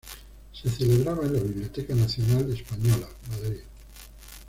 Se celebraba en la Biblioteca Nacional Española, Madrid.